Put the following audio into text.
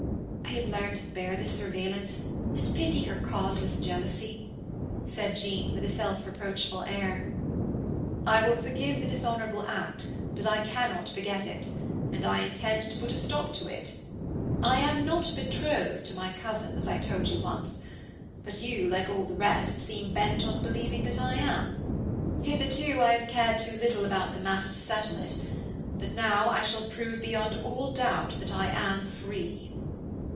I have learned to bear this surveillance, and pity her causeless jealousy," said Jean, with a self reproachful air. "I will forgive the dishonorable act, but I cannot forget it, and I intend to put a stop to it. I am not betrothed to my cousin, as I told you once, but you, like all the rest, seem bent on believing that I am. Hitherto I have cared too little about the matter to settle it, but now I shall prove beyond all doubt that I am free."